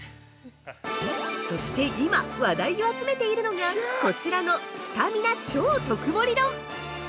そして今、話題を集めているのがこちらのスタミナ超特盛丼。